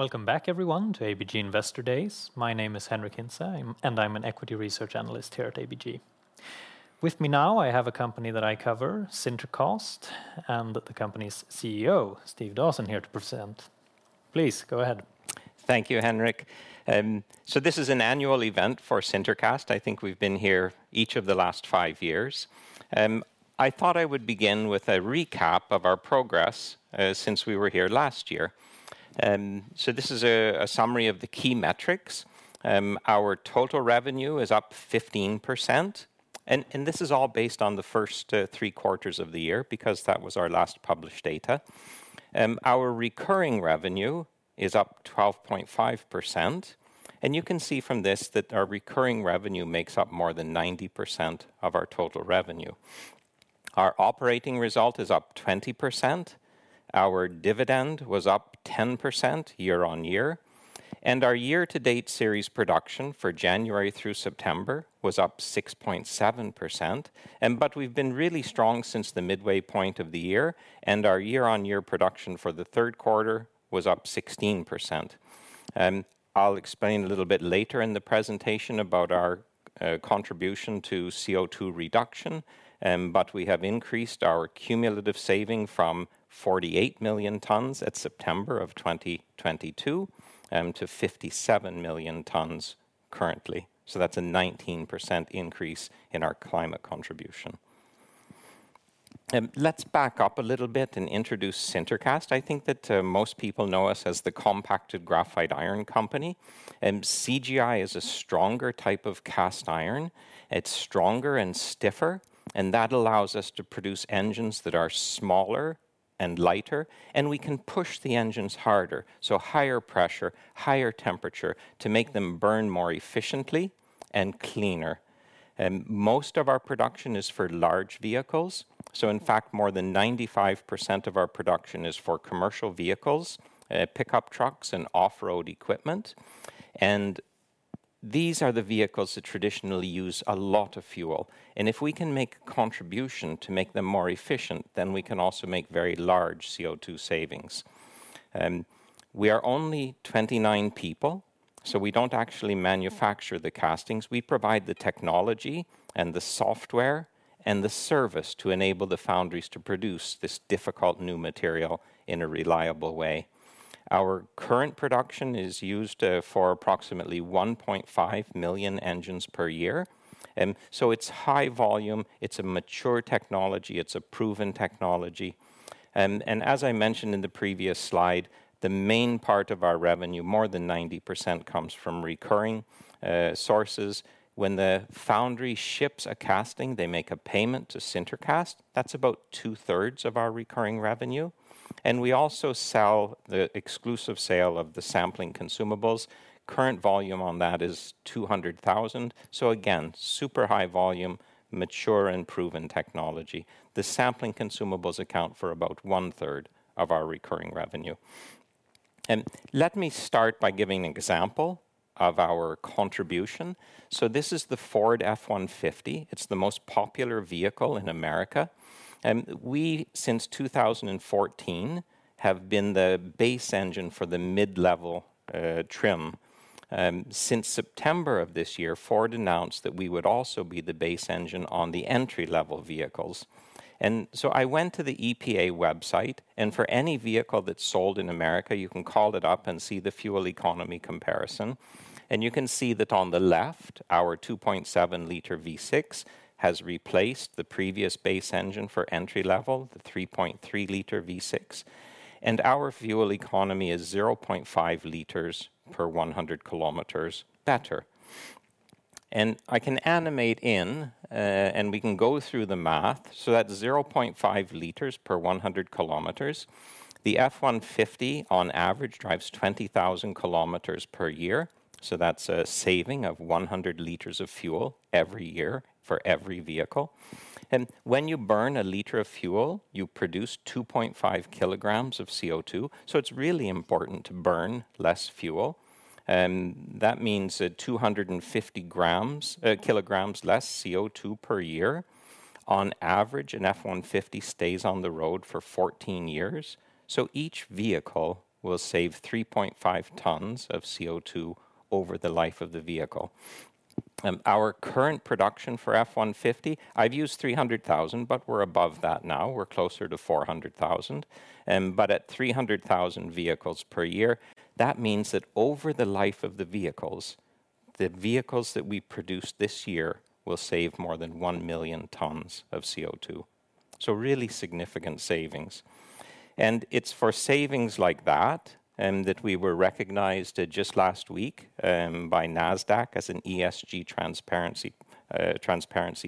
Welcome back, everyone, to ABG Investor Days. My name is Henric Hintze, I'm an equity research analyst here at ABG. With me now, I have a company that I cover, SinterCast, and the company's CEO, Steve Dawson, here to present. Please, go ahead. Thank you, Henric. So this is an annual event for SinterCast. I think we've been here each of the last five years. I thought I would begin with a recap of our progress since we were here last year. So this is a summary of the key metrics. Our total revenue is up 15%, and this is all based on the first three quarters of the year, because that was our last published data. Our recurring revenue is up 12.5%, and you can see from this that our recurring revenue makes up more than 90% of our total revenue. Our operating result is up 20%, our dividend was up 10% year-on-year, and our year-to-date series production for January through September was up 6.7%. But we've been really strong since the midway point of the year, and our year-on-year production for the third quarter was up 16%. I'll explain a little bit later in the presentation about our contribution to CO2 reduction, but we have increased our cumulative saving from 48 million tons at September of 2022 to 57 million tons currently. So that's a 19% increase in our climate contribution. Let's back up a little bit and introduce SinterCast. I think that most people know us as the Compacted Graphite Iron company, and CGI is a stronger type of cast iron. It's stronger and stiffer, and that allows us to produce engines that are smaller and lighter, and we can push the engines harder, so higher pressure, higher temperature, to make them burn more efficiently and cleaner. Most of our production is for large vehicles, so in fact, more than 95% of our production is for commercial vehicles, pickup trucks, and off-road equipment. These are the vehicles that traditionally use a lot of fuel, and if we can make a contribution to make them more efficient, then we can also make very large CO2 savings. We are only 29 people, so we don't actually manufacture the castings. We provide the technology, and the software, and the service to enable the foundries to produce this difficult new material in a reliable way. Our current production is used for approximately 1.5 million engines per year. So it's high volume, it's a mature technology, it's a proven technology. As I mentioned in the previous slide, the main part of our revenue, more than 90%, comes from recurring sources. When the foundry ships a casting, they make a payment to SinterCast. That's about two-thirds of our recurring revenue, and we also sell the exclusive sale of the sampling consumables. Current volume on that is 200,000. So again, super high volume, mature and proven technology. The sampling consumables account for about one-third of our recurring revenue. Let me start by giving an example of our contribution. This is the Ford F-150. It's the most popular vehicle in America, and we, since 2014, have been the base engine for the mid-level trim. Since September of this year, Ford announced that we would also be the base engine on the entry-level vehicles. So I went to the EPA website, and for any vehicle that's sold in America, you can call it up and see the fuel economy comparison. You can see that on the left, our 2.7-liter V6 has replaced the previous base engine for entry level, the 3.3-liter V6. Our fuel economy is 0.5 liters per 100 kilometers better. I can animate in, and we can go through the math. That's 0.5 liters per 100 kilometers. The F-150, on average, drives 20,000 kilometers per year, so that's a saving of 100 liters of fuel every year for every vehicle. When you burn a liter of fuel, you produce 2.5 kilograms of CO2, so it's really important to burn less fuel. That means that 250 kilograms less CO2 per year. On average, an F-150 stays on the road for 14 years, so each vehicle will save 3.5 tons of CO2 over the life of the vehicle. Our current production for F-150, I've used 300,000, but we're above that now. We're closer to 400,000. But at 300,000 vehicles per year, that means that over the life of the vehicles, the vehicles that we produce this year will save more than 1 million tons of CO2. So really significant savings. And it's for savings like that, that we were recognized just last week, by Nasdaq as an ESG Transparency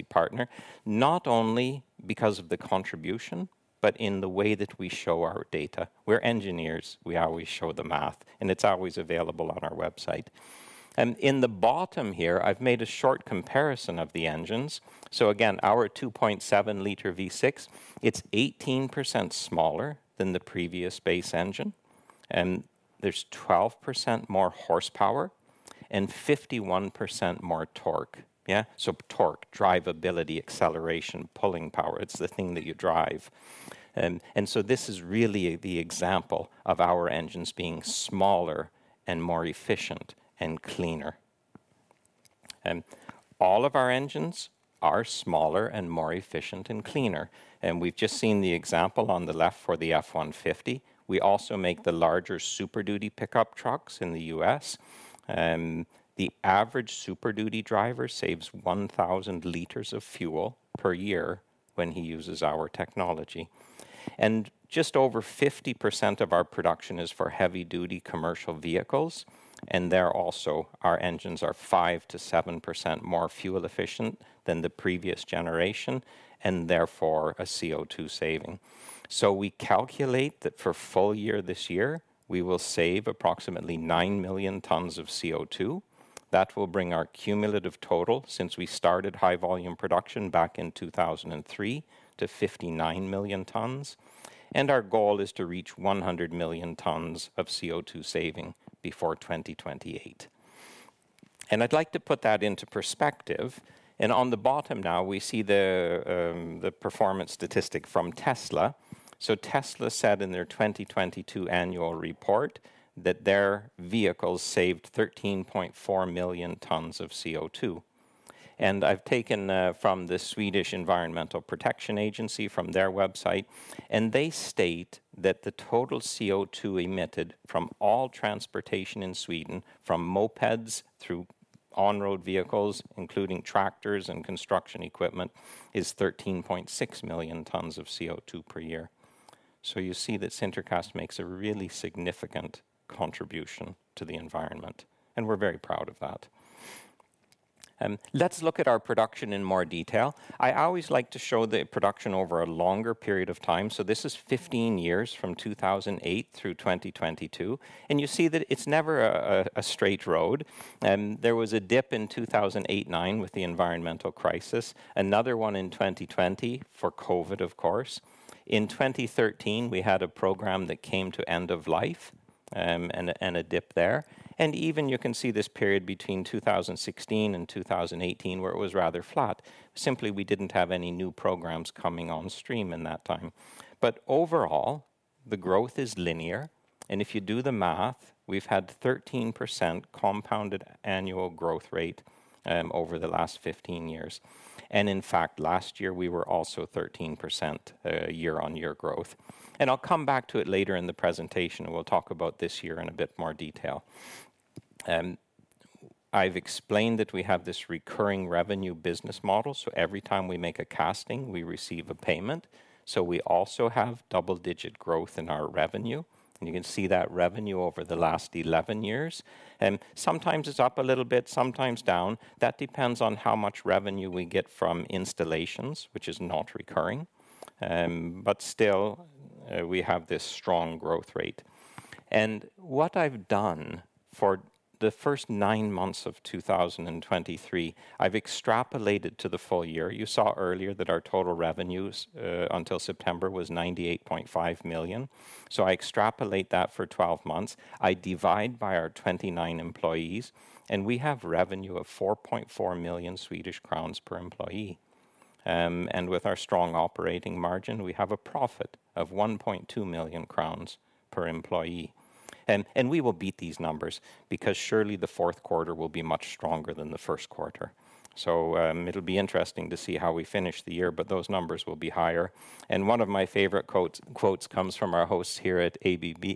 Partner. Not only because of the contribution, but in the way that we show our data. We're engineers, we always show the math, and it's always available on our website. And in the bottom here, I've made a short comparison of the engines. So again, our 2.7-liter V6, it's 18% smaller than the previous base engine, and there's 12% more horsepower... and 51% more torque. Yeah, so torque, drivability, acceleration, pulling power, it's the thing that you drive. And so this is really the example of our engines being smaller and more efficient and cleaner. And all of our engines are smaller and more efficient and cleaner, and we've just seen the example on the left for the F-150. We also make the larger Super Duty pickup trucks in the U.S., the average Super Duty driver saves 1,000 liters of fuel per year when he uses our technology. Just over 50% of our production is for heavy-duty commercial vehicles, and there also, our engines are 5%-7% more fuel efficient than the previous generation, and therefore, a CO2 saving. So we calculate that for full year this year, we will save approximately 9 million tons of CO2. That will bring our cumulative total since we started high-volume production back in 2003 to 59 million tons, and our goal is to reach 100 million tons of CO2 saving before 2028. I'd like to put that into perspective, and on the bottom now, we see the the performance statistic from Tesla. So Tesla said in their 2022 annual report that their vehicles saved 13.4 million tons of CO2. I've taken from the Swedish Environmental Protection Agency, from their website, and they state that the total CO2 emitted from all transportation in Sweden, from mopeds through on-road vehicles, including tractors and construction equipment, is 13.6 million tons of CO2 per year. You see that SinterCast makes a really significant contribution to the environment, and we're very proud of that. Let's look at our production in more detail. I always like to show the production over a longer period of time, so this is 15 years, from 2008 through 2022, and you see that it's never a straight road. There was a dip in 2008/9 with the environmental crisis, another one in 2020 for COVID, of course. In 2013, we had a program that came to end of life, and a dip there. Even you can see this period between 2016 and 2018, where it was rather flat. Simply, we didn't have any new programs coming on stream in that time. But overall, the growth is linear, and if you do the math, we've had 13% compounded annual growth rate over the last 15 years. And in fact, last year, we were also 13% year-on-year growth. And I'll come back to it later in the presentation, and we'll talk about this year in a bit more detail. I've explained that we have this recurring revenue business model, so every time we make a casting, we receive a payment, so we also have double-digit growth in our revenue. And you can see that revenue over the last 11 years, and sometimes it's up a little bit, sometimes down. That depends on how much revenue we get from installations, which is not recurring. But still, we have this strong growth rate. And what I've done for the first nine months of 2023, I've extrapolated to the full year. You saw earlier that our total revenues until September was 98.5 million. So I extrapolate that for 12 months. I divide by our 29 employees, and we have revenue of 4.4 million Swedish crowns per employee. And with our strong operating margin, we have a profit of 1.2 million crowns per employee. And we will beat these numbers because surely the fourth quarter will be much stronger than the first quarter. So, it'll be interesting to see how we finish the year, but those numbers will be higher. One of my favorite quotes comes from our hosts here at ABG.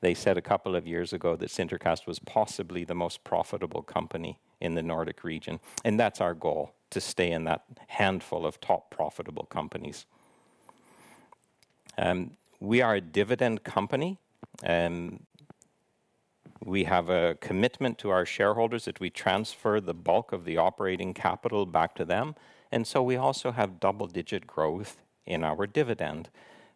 They said a couple of years ago that SinterCast was possibly the most profitable company in the Nordic region, and that's our goal: to stay in that handful of top profitable companies. We are a dividend company, and we have a commitment to our shareholders that we transfer the bulk of the operating capital back to them, and so we also have double-digit growth in our dividend.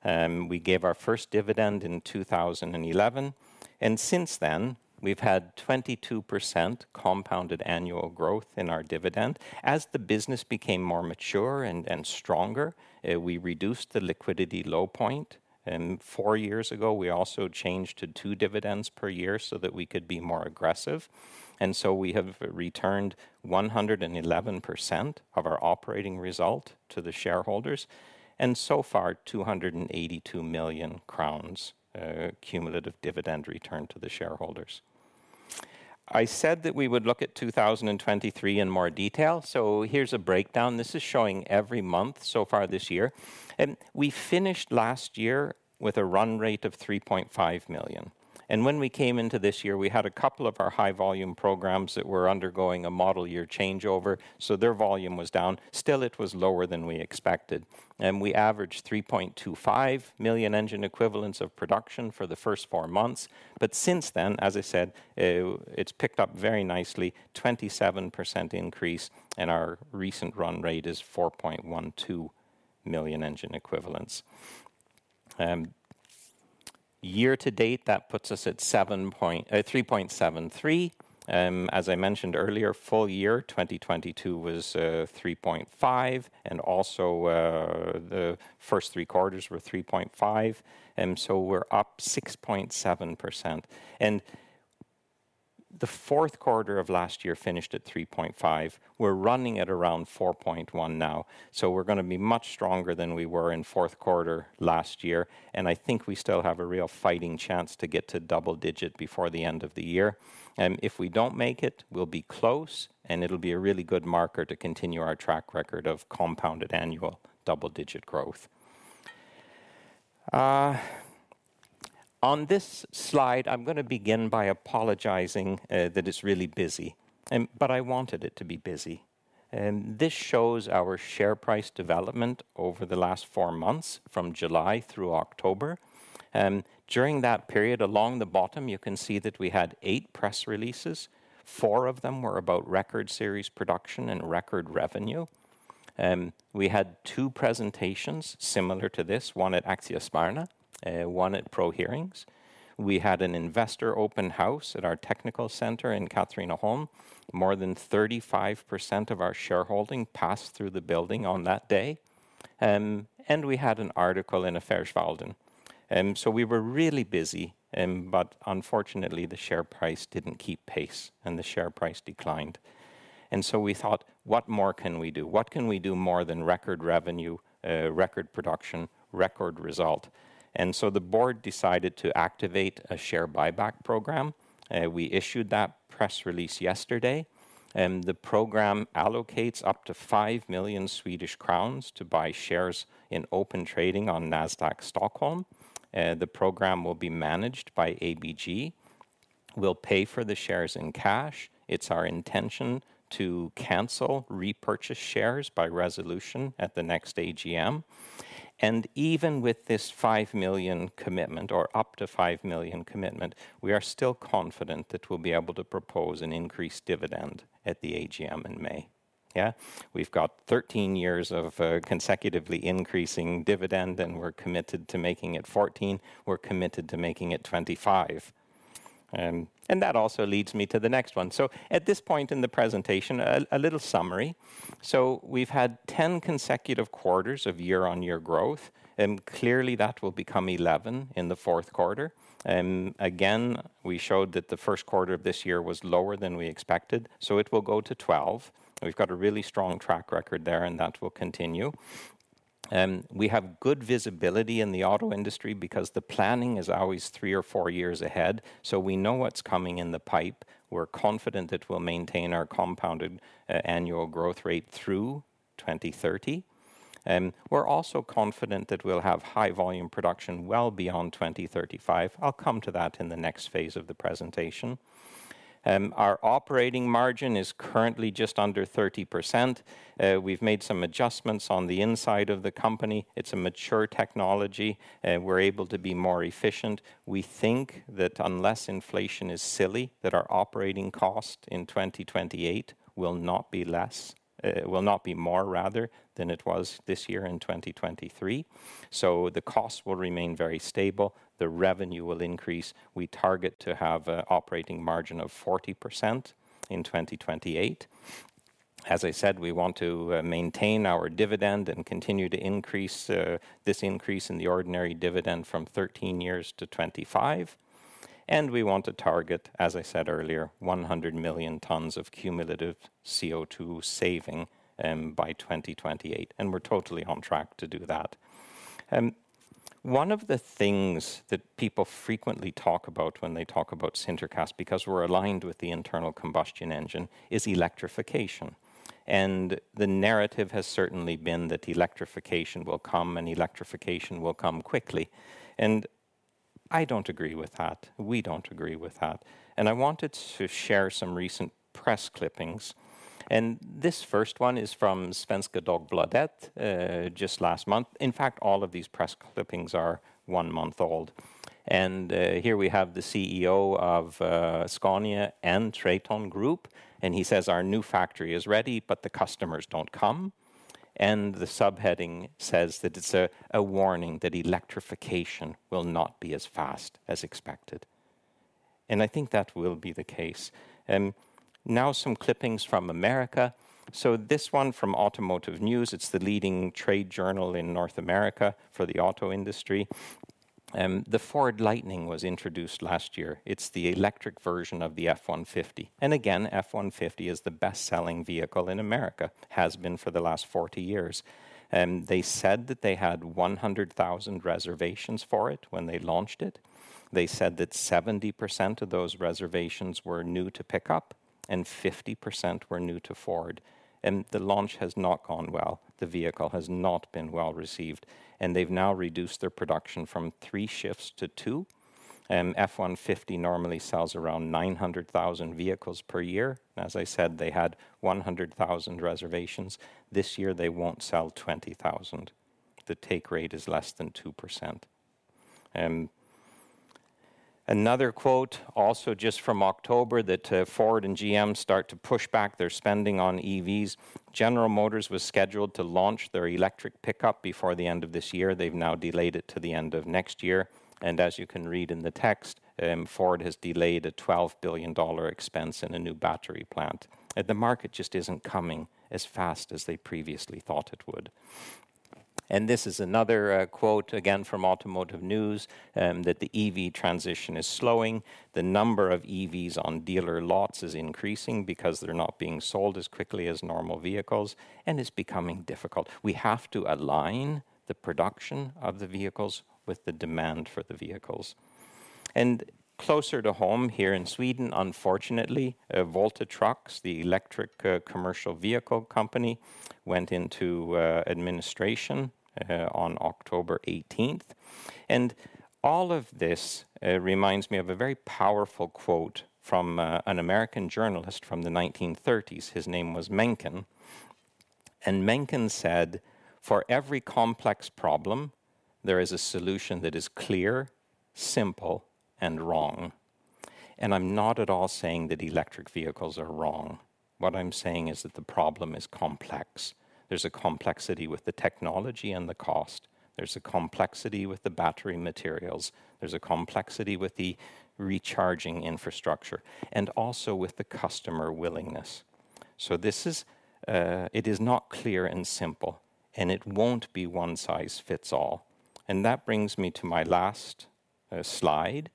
We gave our first dividend in 2011, and since then, we've had 22% compounded annual growth in our dividend. As the business became more mature and stronger, we reduced the liquidity low point, and four years ago, we also changed to two dividends per year so that we could be more aggressive. We have returned 111% of our operating result to the shareholders, and so far, 282 million crowns cumulative dividend returned to the shareholders. I said that we would look at 2023 in more detail, so here's a breakdown. This is showing every month so far this year, and we finished last year with a run rate of 3.5 million. When we came into this year, we had a couple of our high-volume programs that were undergoing a model year changeover, so their volume was down. Still, it was lower than we expected, and we averaged 3.25 million engine equivalents of production for the first four months. Since then, as I said, it's picked up very nicely, 27% increase, and our recent run rate is 4.12 million engine equivalents. Year to date, that puts us at 3.73. As I mentioned earlier, full year 2022 was 3.5, and also the first three quarters were 3.5, and so we're up 6.7%. The fourth quarter of last year finished at 3.5. We're running at around 4.1 now, so we're gonna be much stronger than we were in fourth quarter last year, and I think we still have a real fighting chance to get to double digit before the end of the year. If we don't make it, we'll be close, and it'll be a really good marker to continue our track record of compounded annual double-digit growth. On this slide, I'm gonna begin by apologizing that it's really busy, but I wanted it to be busy. This shows our share price development over the last four months, from July through October. During that period, along the bottom, you can see that we had eight press releases. Four of them were about record series production and record revenue. We had two presentations similar to this, one at Aktiespararna, one at ProHearings. We had an investor open house at our technical center in Katrineholm. More than 35% of our shareholding passed through the building on that day. And we had an article in Affärsvärlden. So we were really busy, but unfortunately, the share price didn't keep pace, and the share price declined. And so we thought: What more can we do? What can we do more than record revenue, record production, record result? So the board decided to activate a share buyback program. We issued that press release yesterday, and the program allocates up to 5 million Swedish crowns to buy shares in open trading on Nasdaq Stockholm. The program will be managed by ABG. We'll pay for the shares in cash. It's our intention to cancel repurchased shares by resolution at the next AGM. Even with this 5 million commitment, or up to 5 million commitment, we are still confident that we'll be able to propose an increased dividend at the AGM in May. Yeah, we've got 13 years of consecutively increasing dividend, and we're committed to making it 14. We're committed to making it 25. And that also leads me to the next one. So at this point in the presentation, a little summary. So we've had 10 consecutive quarters of year-on-year growth, and clearly, that will become 11 in the fourth quarter. Again, we showed that the first quarter of this year was lower than we expected, so it will go to 12. We've got a really strong track record there, and that will continue. We have good visibility in the auto industry because the planning is always three or four years ahead, so we know what's coming in the pipe. We're confident that we'll maintain our compounded annual growth rate through 2030. We're also confident that we'll have high volume production well beyond 2035. I'll come to that in the next phase of the presentation. Our operating margin is currently just under 30%. We've made some adjustments on the inside of the company. It's a mature technology, and we're able to be more efficient. We think that unless inflation is silly, that our operating cost in 2028 will not be less, will not be more rather, than it was this year in 2023. So the cost will remain very stable. The revenue will increase. We target to have a operating margin of 40% in 2028. As I said, we want to maintain our dividend and continue to increase this increase in the ordinary dividend from 13 years to 25. And we want to target, as I said earlier, 100 million tons of cumulative CO2 saving by 2028, and we're totally on track to do that. One of the things that people frequently talk about when they talk about SinterCast, because we're aligned with the internal combustion engine, is electrification. The narrative has certainly been that electrification will come, and electrification will come quickly. I don't agree with that. We don't agree with that. I wanted to share some recent press clippings, and this first one is from Svenska Dagbladet just last month. In fact, all of these press clippings are one month old. Here we have the CEO of Scania and TRATON Group, and he says: "Our new factory is ready, but the customers don't come." The subheading says that it's a warning that electrification will not be as fast as expected, and I think that will be the case. Now some clippings from America. So this one from Automotive News, it's the leading trade journal in North America for the auto industry. The Ford Lightning was introduced last year. It's the electric version of the F-150. And again, F-150 is the best-selling vehicle in America, has been for the last 40 years. They said that they had 100,000 reservations for it when they launched it. They said that 70% of those reservations were new to pickup and 50% were new to Ford, and the launch has not gone well. The vehicle has not been well-received, and they've now reduced their production from three shifts to two. F-150 normally sells around 900,000 vehicles per year. As I said, they had 100,000 reservations. This year, they won't sell 20,000. The take rate is less than 2%. Another quote also just from October that Ford and GM start to push back their spending on EVs. General Motors was scheduled to launch their electric pickup before the end of this year. They've now delayed it to the end of next year, and as you can read in the text, Ford has delayed a $12 billion expense in a new battery plant. And the market just isn't coming as fast as they previously thought it would. And this is another quote again from Automotive News that the EV transition is slowing. The number of EVs on dealer lots is increasing because they're not being sold as quickly as normal vehicles, and it's becoming difficult. We have to align the production of the vehicles with the demand for the vehicles. Closer to home here in Sweden, unfortunately, Volta Trucks, the electric, commercial vehicle company, went into administration on October eighteenth. All of this reminds me of a very powerful quote from an American journalist from the 1930s. His name was Mencken, and Mencken said, "For every complex problem, there is a solution that is clear, simple, and wrong." I'm not at all saying that electric vehicles are wrong. What I'm saying is that the problem is complex. There's a complexity with the technology and the cost. There's a complexity with the battery materials. There's a complexity with the recharging infrastructure, and also with the customer willingness. This is... It is not clear and simple, and it won't be one size fits all. That brings me to my last slide,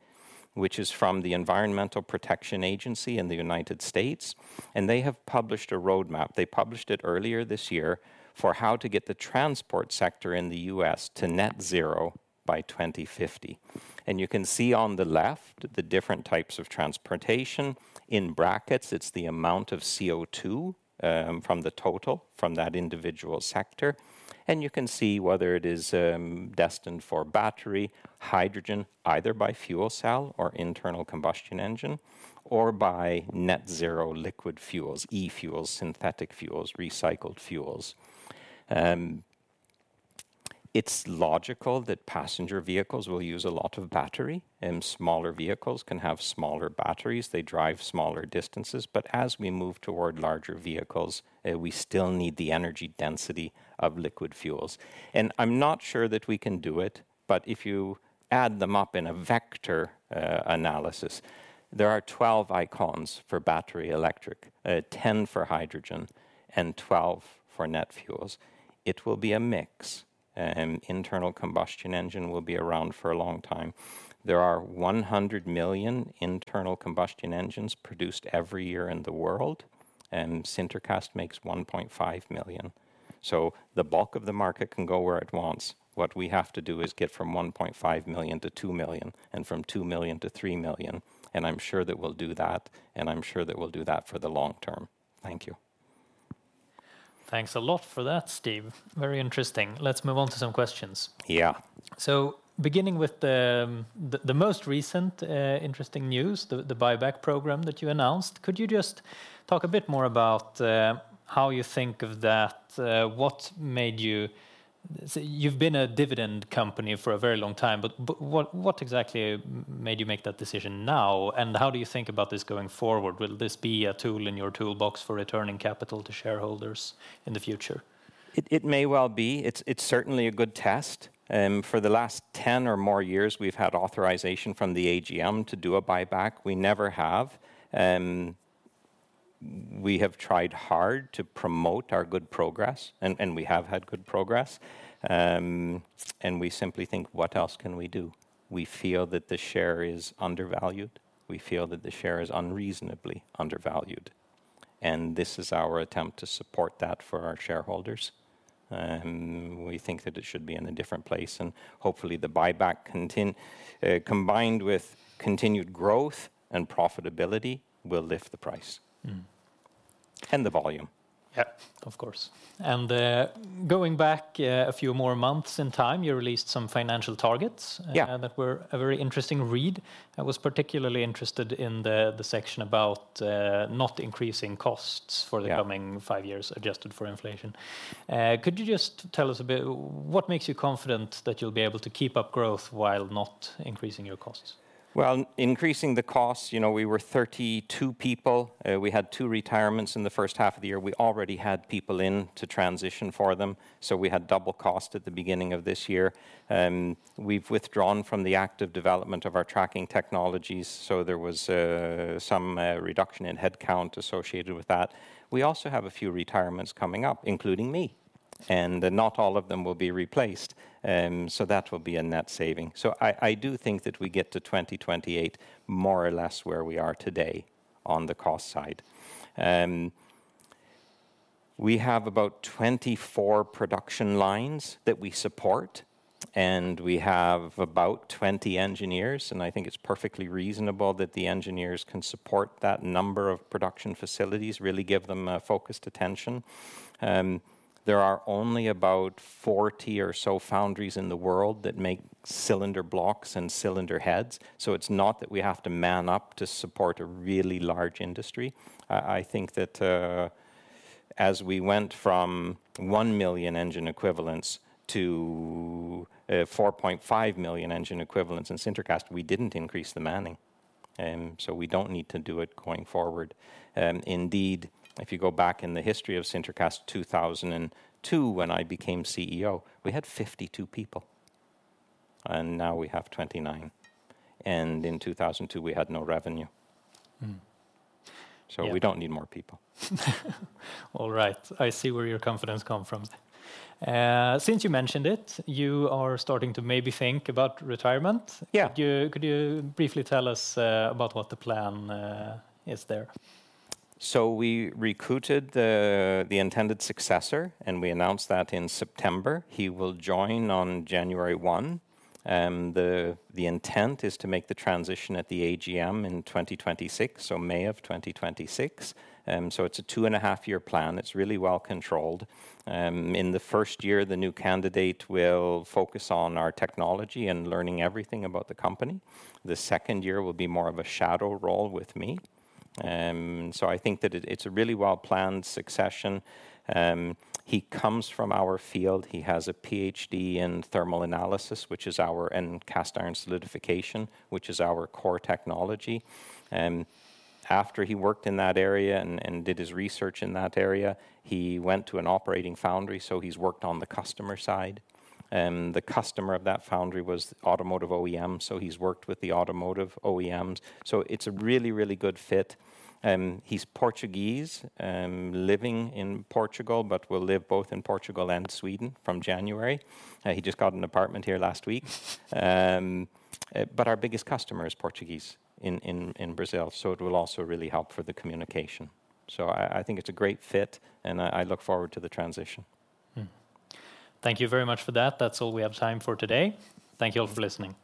which is from the Environmental Protection Agency in the United States, and they have published a roadmap. They published it earlier this year, for how to get the transport sector in the U.S. to net zero by 2050. You can see on the left the different types of transportation. In brackets, it's the amount of CO2 from the total from that individual sector, and you can see whether it is destined for battery, hydrogen, either by fuel cell or internal combustion engine, or by net zero liquid fuels, e-fuels, synthetic fuels, recycled fuels. It's logical that passenger vehicles will use a lot of battery, and smaller vehicles can have smaller batteries. They drive smaller distances. But as we move toward larger vehicles, we still need the energy density of liquid fuels. And I'm not sure that we can do it, but if you add them up in a vector analysis, there are 12 icons for battery electric, 10 for hydrogen, and 12 for net fuels. It will be a mix. Internal combustion engine will be around for a long time. There are 100 million internal combustion engines produced every year in the world, and SinterCast makes 1.5 million. So the bulk of the market can go where it wants. What we have to do is get from 1.5 million-2 million, and from 2 million-3 million, and I'm sure that we'll do that, and I'm sure that we'll do that for the long term. Thank you. Thanks a lot for that, Steve. Very interesting. Let's move on to some questions. Yeah. So, beginning with the most recent interesting news, the buyback program that you announced, could you just talk a bit more about how you think of that? What made you, you've been a dividend company for a very long time, but what exactly made you make that decision now, and how do you think about this going forward? Will this be a tool in your toolbox for returning capital to shareholders in the future? It may well be. It's certainly a good test. For the last 10 or more years, we've had authorization from the AGM to do a buyback. We never have. We have tried hard to promote our good progress, and we have had good progress, and we simply think, "What else can we do?" We feel that the share is undervalued. We feel that the share is unreasonably undervalued, and this is our attempt to support that for our shareholders. We think that it should be in a different place, and hopefully, the buyback combined with continued growth and profitability, will lift the price. Mm. The volume. Yep, of course. Going back, a few more months in time, you released some financial targets. Yeah. That were a very interesting read. I was particularly interested in the section about not increasing costs. Yeah.... for the coming five years, adjusted for inflation. Could you just tell us a bit, what makes you confident that you'll be able to keep up growth while not increasing your costs? Well, increasing the costs, you know, we were 32 people. We had two retirements in the first half of the year. We already had people in to transition for them, so we had double cost at the beginning of this year. We've withdrawn from the active development of our tracking technologies, so there was some reduction in headcount associated with that. We also have a few retirements coming up, including me, and not all of them will be replaced, so that will be a net saving. So I do think that we get to 2028 more or less where we are today on the cost side. We have about 24 production lines that we support, and we have about 20 engineers, and I think it's perfectly reasonable that the engineers can support that number of production facilities, really give them focused attention. There are only about 40 or so foundries in the world that make cylinder blocks and cylinder heads, so it's not that we have to man up to support a really large industry. I think that as we went from 1 million engine equivalents to 4.5 million engine equivalents in SinterCast, we didn't increase the manning, so we don't need to do it going forward. Indeed, if you go back in the history of SinterCast, 2002, when I became CEO, we had 52 people, and now we have 29, and in 2002, we had no revenue. Mm. Yeah. We don't need more people. All right, I see where your confidence come from. Since you mentioned it, you are starting to maybe think about retirement? Yeah. Could you briefly tell us about what the plan is there? So we recruited the intended successor, and we announced that in September. He will join on January 1, the intent is to make the transition at the AGM in 2026, so May of 2026. So it's a 2.5-year plan. It's really well controlled. In the first year, the new candidate will focus on our technology and learning everything about the company. The second year will be more of a shadow role with me. So I think that it, it's a really well-planned succession. He comes from our field. He has a PhD in thermal analysis, which is our... in cast iron solidification, which is our core technology. After he worked in that area and did his research in that area, he went to an operating foundry, so he's worked on the customer side, the customer of that foundry was automotive OEM, so he's worked with the automotive OEMs. It's a really, really good fit. He's Portuguese, living in Portugal, but will live both in Portugal and Sweden from January. He just got an apartment here last week. But our biggest customer is Portuguese in Brazil, so it will also really help for the communication. I think it's a great fit, and I look forward to the transition. Mm. Thank you very much for that. That's all we have time for today. Thank you all for listening.